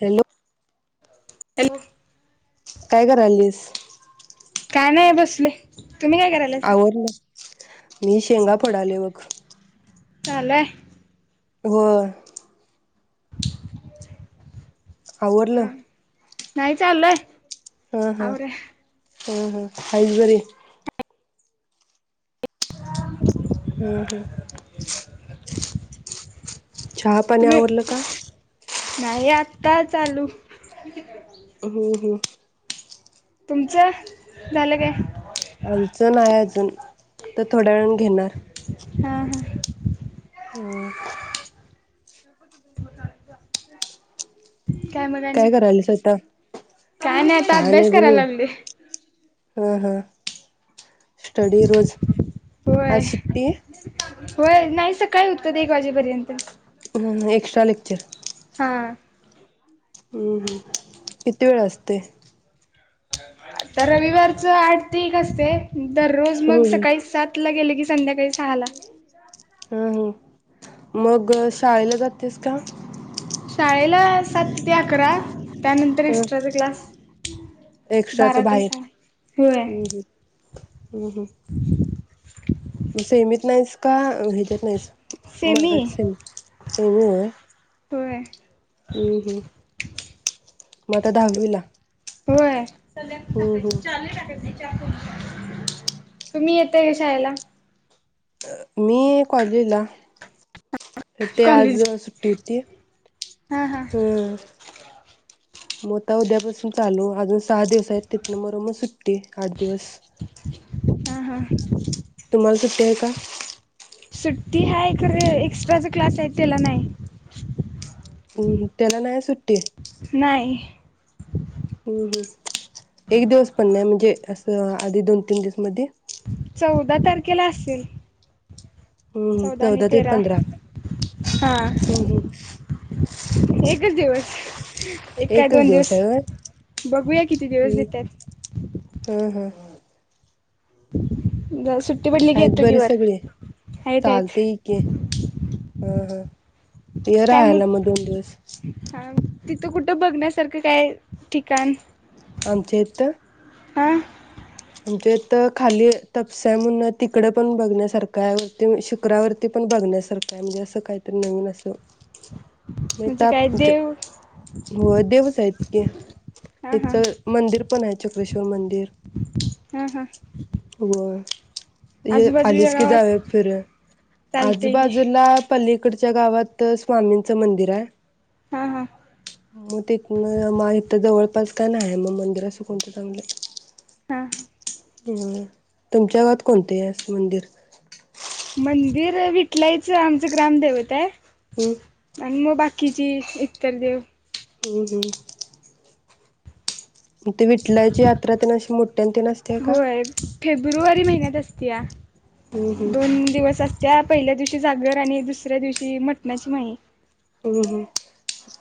Hello hello काय करायलीस? काय नाही बसले. तुम्ही काय करायलासा? आवरलं मी शेंगा फोडालोय बघ चालू हाय होय आवरलं हा नाही चाललय हम हम हम हम्म हाईस बरी? हम्म हम् चहा पाणी तुम्ही आवरलं का? नाही आता चालू हो हो तुमचं झालं काय? आमचं नाही अजून तर थोड्या वेळ घेणार हा हा हम्म [inaudible] आणि काय कराल्या श्वेता काय आता कायं नाही अभ्यास बोलू करायला लागले हा हा स्टडी रोज होय आज सुट्टी होय नाही सकाळी होतं एक वाजेपर्यंत ह एक्स्ट्रा लेक्चर हा हम्म हम्म किती वेळ असतेयं? आता रविवारच आठ ते एक असतेयं दररोज हम्म मग सकाळी हम्म सात ला गेले की संध्याकाळी सहा ला हा ह मग शाळेला जातेस का शाळेला सात ते अकरा त्यानंतर एक्स्ट्राचा क्लास एक्स्ट्राच बारा ते बाहेर सहा होय हम्म हम्म हम्म हम्म मग सेमीत नाहीस? का ह्याच्यात नाहीस सेमी मराठी स सेमी व्हयं होय हम्म हम् मग आता दहावी ला? होय संध्याकाळी टाकायची चालू टाकायची तुम्ही येताय का शाळेला? मी कॉलेजला ते आज कॉलेज सुट्टी होती हा हा हम् मग आता उद्यापासून चालू अजून सहा दिवस आहेत तिथन मर मग सुट्टी आठ दिवस हा हा तुम्हाला सुट्टी आहे का? सुट्टी हायं खरं एक्स्ट्राचा क्लास आहे त्याला नाही हम्म त्याला नाही सुट्टी नाही [inaudible] हम्म हम् एक दिवस पण नाही म्हणजे असं आधी दोन तीन दिवस मध्ये चौदा तारखेला असेल हम्म आणि चौदा ते तेरा पंधरा हा हम्म हम् एकच दिवस. एका एकच दोन दिवस आहे होय बघूया किती दिवस हम्म देतात हा हा सुट पडली की आहेत येतो की बरी वर सगळी आहेत चालतय की आहेत हा हा ये काय राहाला मग दोन दिवस तु कुठं बघण्यासारखं काय ठिकाण? आमचेे हित हं आमच्या हित तर खाली तपसा आहे म्हणून तिकडं पण बघण्यासारखं आहे शुक्रावरती पण बघण्यासारखं आहे म्हणजे असं काहीतरी नवीन असं म म्हणजे काय तप देव हो देवच आहेत ते हा हा इथं मंदिर पण आहे चक्रेश्वर मंदिर ह ह हो आजूबाजूच्या आलीच कि गावात द्यावे फिर चालते की आजूबाजूला पली कडच्या गावात स्वामींचं मंदिर आहे हम हम मग तिथ इथ जवळपास का नाही मग मंदिर असं कोणतं चांगलं हा ह तुमच्या गवात कोणते आहे मंदिर मंदिर विटलायच आमचं ग्रामदेवत आहे एक मग बाकीची इतर देव हम्म हम्म ते विठलाची यात्रा तेन अशी मोठ्यांंत नसते का त्या हम्म हम्म दोन दिवस असत्या पहिल्या दिवशी जागर आणि दुसऱ्या दिवशी मटणाची माई हम् ह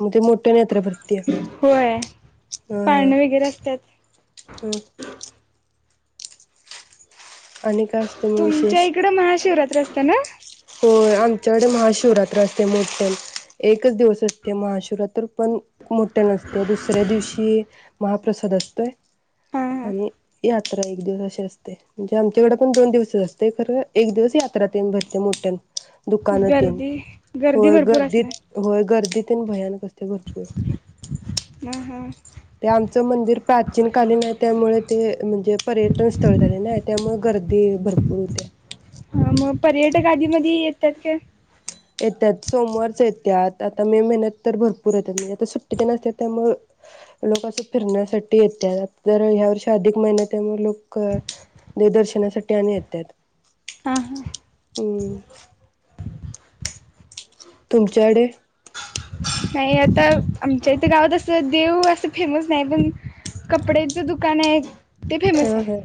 म ते मोठ्या नेत्र प्रति ह होय ह पाळणं वगैरे असतात हम आणि काय असते मग तुमच्या इकडे महाशिवराात रस्त्यानं हो आमच्याकडे महाशिवरात्र असते मोठ्यान एकच दिवस असते महाशिवरात्र पण मोठ्यान असते दुसऱ्या दिवशी महाप्रसाद असतोय हा हा आणि या यात्रा एक दिवस अशी असते म्हणजे आमच्याकडे पण दोन दिवसच असते खरं एक दिवस यात्रा तेन भर ते मोठ्यानं दुकान तेन गर्दी गर्दी होय भरपूर असणार गर्दीत होय गर्दीतेन भयानक असते भरपूर हा हा ते आमचं मंदिर प्राचीन कालीन आहे त्यामुळे ते म्हणजे पर्यटन स्थळ झाले नाही त्यामुळे गर्दी भरपूर होते. हा मग पर्यटक आधी मधी येतात का? येतात सोमवारच येतात आता मे महिन्यात तर भरपूर येतात म्हणजे आता सुट्टी तेनं असत्या त्यामुळं लोक असं फिरण्यासाठी येतात जर ह्या वर्षी अधिक महिन्यात त्यामुळं लोक देवं दर्शनासाठी आणि येतात. हा हा हम्म तुमच्याकडे नाही आता आमच्या इथे गावात असं देव असं फेमस नाही पण कपड्यांच दुकान आहे. ते हा फेमस हा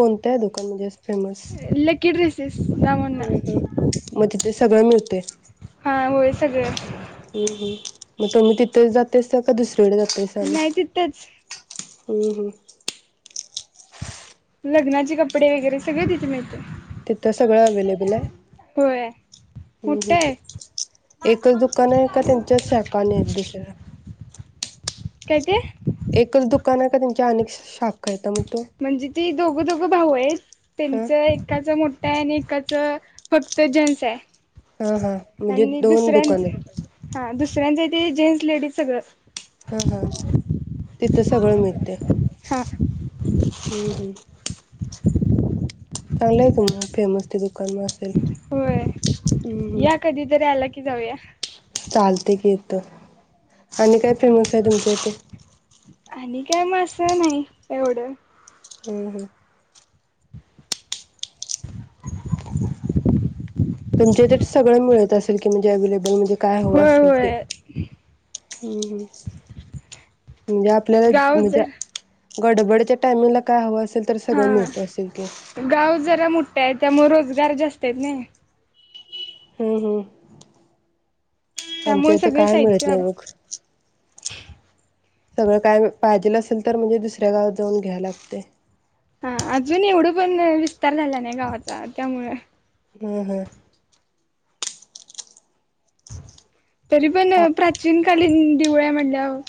कोणतं आहे दु म्हणजे? फेमस लकी ड्रेसेस नावनं मग तिथे सगळं मिळतयं हा होय सगळं हम् मग तुम्ही तिथे जातेसा का दुस कड जातासा आणि? नाही तिथंच ह ह लग्नाचे कपडे वगैरे सगळे तिथे मिळत. तिथं सगळं अव्हेलेबल आहे होय हम्म मोठं आहे हम्म एकच दुकान आहे का त्यांच्या शाखा आणि आहेत दुसऱ्या कायं ते? एकच दुकान आहे का त्यांची अनेक शाखा आहेता मग तो म्हणजे ती दोघ दोघं भाऊ आहेत हा त्यांच एकाच मोठ आणि एकाच फक्त जेन्स आहे हा हा म्हणजे दोन दुकान आहेत. सगळ्यांच ते जेंट्स लेडीज सगळं हा हा तिथं सगळं मिळतेयं. हा चांगलंय की मग फेमस ते दुकान असेल? होय हम्म या कधीतरी आला की की जाऊया चालते ग येतो आणि काय फेमस आहे तुमच्या इथे? अस नाही एवढं ह तुमच्या इथ सगळं मिळत असेल की म्हणजे अवलेबल म्हणजे काय हवं होय असेल ते होय हम्म ह म्हणजे आपल्याला गाव जर म्हणजे गडबडीच्या टायमिंग ला काय हव असेल तर हा सगळं मिळत असेल की गाव जरा मोट्ट आहे त्यामुळे रोजगार जास्त त्यांनी हो हो आमच्या त्यामुळे इथं सगळे काय मिळत साहित्य नाही मग सगळं काय म पाहिजेल असेल तर मग म्हणजे दुसऱ्या गावात जाऊन घ्याय लागतय हा अजून एवढं पण विस्तार झाला नाही गावाचा त्यामुळ हम् हम् तरी पण आ प्राचीन लीन दिवाळी हाय म्हटल्यावर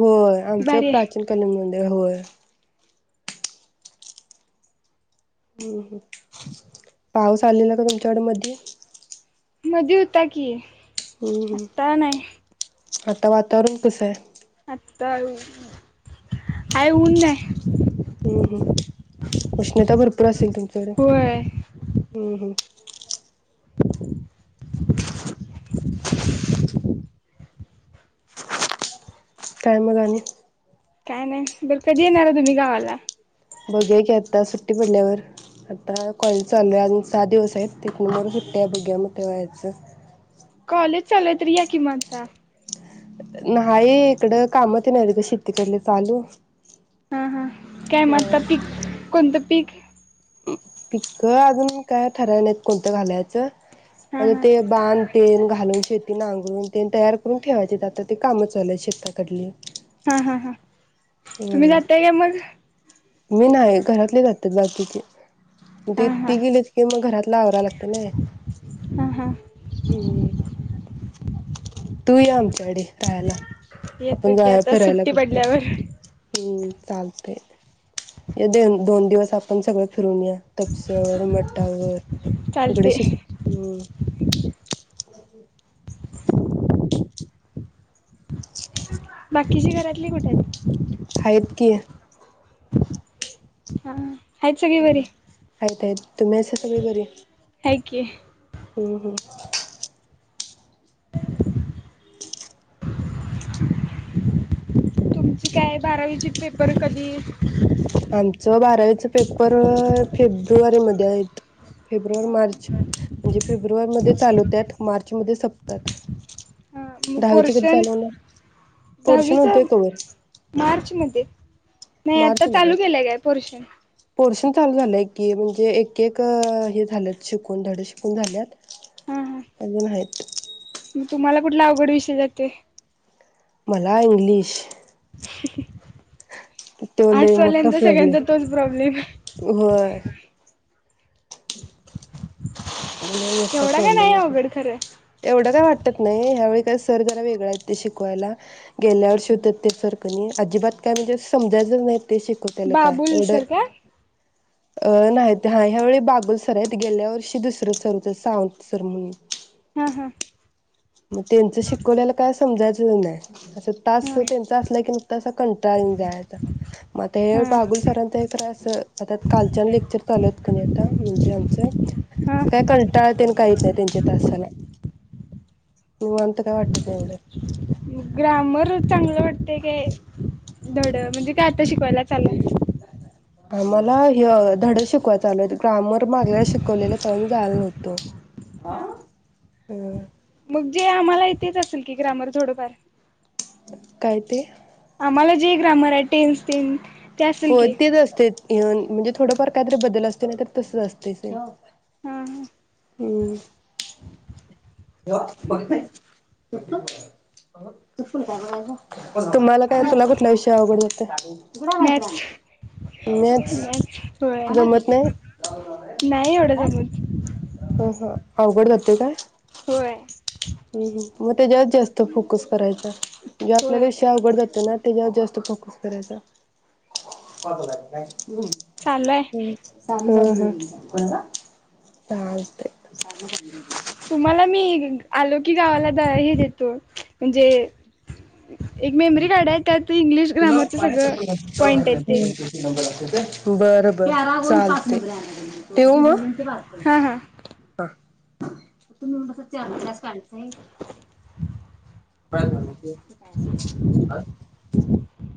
होय आमचं भारी आहे प्राचीन कलेमध्ये होय [inaudible] हम्म ह पाऊस आलेला का गं तुमच्याकड मधी? मधी हूता की हम्म आत्ता नाही ह आता वातावरण तसं हाय काय ऊ हाय ऊन नाही हम् हम् उष्णता भरपूर असेल तुमच्याकडं होय हम्म हम् [inaudible] [inaudible] [inaudible] काय मग आनी काय नाही बर कधी येणारा तुमी गावाला बघूया की आता सुट्टी पडल्यावर आता कॉलेज चालू आहे अजून सात दिवस आहेत तिथन मग सुट्टी आहे बघूया मग तेव्हा यायचं कॉलेज चालू हाय तर या मग की आता नाही ईकडं कामतेन हाईत गं शेतीकडली चालू हा हा काय अ मगं आता पीक कोणतं पीक? पिकक अजून काय ठराय नाहीत कोणतं घालायचं हा अजून हा ते बांध तेन घालून शेत ते नांगरून तेन तयार करून ठेवायचे ते आता ते काम चालू आहेत शेताकडली हा हा हा तुम्ही होय जाताय काय मग? मी नाही घरातली जातात बाकी [unintelligible] हा हा दिप्ती गेलीत की मग घरातल आवराय लागतय नी हा हा हम् तू ये आमच्याकडे राहायला येतो आपण की जाऊया आता फिरायला सुट्टी कुठंतर पडल्यावर हम्म चालतंय ये देण दोन दिवस आपण सगळं फिरून येऊया तपसर मटावर इकडे चालते श [inaudible] [inaudible] बाकीची घरातली कुठय हायत? हायेत की हा सगळी बरी हायेत हायेत तुम्ही हाय सगळी फ्री आहे की हम्म हम्म [inaudible] [inaudible] तुमची काय बारावी ची पेपर कधी आमचं बारावीचं पेप पेपर फेब्रुवारी मधे आहेत फेब्रु फेब्रुवारी हा मार्च म्हणजे फेब्रुवारी मधे चालु होत्यात मार्च मध्ये संपत्यात हा मगपोर्शन पोर्शन दहावीचा होतोय कवर मार्च मध्ये नाही आता मार्च मध्ये चालू केलंय पोर्शन पोर्शन चालू झालंय की म्हणजे एक एक हे झालत शिकून धडे शिकून झालेत हा हा [inaudible] अजून हायेत मग तुम्हाला कुठला अवघड विषय जातोय मला इंग्लिश हहह तो लय मोठा प्रॉब्लेम व्हय एवढा काय नाही अवघड खरं [unintelligible] एवढं काय वाटतात नाही ह्यावेळी सर जरा वेगळ आहेत ते शिकवायला गेल्या वर्षी होतात ते सर कणी अजिबात काय म्हणजे समजायचंच नाहीत ते शिकव त्या न काय बाबुल एवढं सर काय अ नाहीत ह ह्यावेेळी बागूलसर आहेत गेल्या वर्षी दुसरे [unintelligible] सावंत सर म्हणून हा हा मग त्यांच शिकवलेलं काय समजायचं [unintelligible] अस तास हा त्यांचा असला की नुसता असा कंटाळा येऊन जायाचा म ते हा बागुल सरांचं तर अस कालच्या लेक्चर चालूयेत की नाय म्हणजे आमचं हा आता कंटाळा येत नाही काही येत नाही त्यांच्या तासाला निवांत काय वाटत नाही एवढ ग्रामर चांगलं वाटतय काय धड म्हणजे काय? ते शिकवायला चाललंय आम्हाला यो धड शिकवायला चालू होतं ग्रामर मागल शिकवलेलं झाला नव्हत ह हम म्हणजे आम्हाला इथेच असेल की ग्रामर थोडंफार काय ते? आम्हाला जे ग्रामर आहे टेनस टेन होयं तेच असते येऊन म्हणजे थोडंफार काहीतरी बदल असते ना तर तसंच असतयं [unintelligible] हा हा हम्म [unintelligible] तुम्हाला काय तुला कुठला विषय अवघड जात मॅथ्स मॅथ्स जमत नाही नाही एवढं जमत ह अवघड जातोय काय? होय हम् हम मग त्याच्यात जास्त फोकस करायचा जो होय आपल्याला विषय अवघड जातोय ना त्याच्यावर जास्त फोकस करायचा ह् हम् चालू आहे ह [unintelligible] चालतेयं तुम्हाला मी आलो की गावाला हे देतो म्हणजे एक मेमरी कार्ड आहे त्यात ते इंग्लिश ग्रामरच चालतंय. सगळं पॉइंट आहे ते बरं बर पॅरागॉन पाच नंबर चालते ठेवू मग हां हां [inaudible] [unintelligible] काय झाल हा